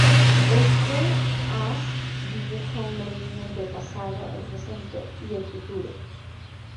Este haz dibuja una línea entre pasado, el presente y el futuro.